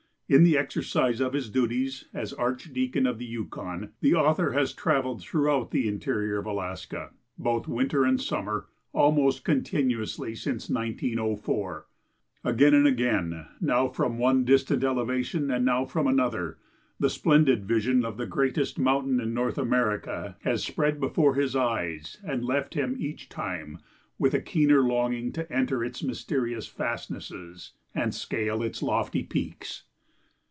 In the exercise of his duties as Archdeacon of the Yukon, the author has travelled throughout the interior of Alaska, both winter and summer, almost continuously since 1904. Again and again, now from one distant elevation and now from another, the splendid vision of the greatest mountain in North America has spread before his eyes, and left him each time with a keener longing to enter its mysterious fastnesses and scale its lofty peaks.